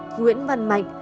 nguyễn văn mạnh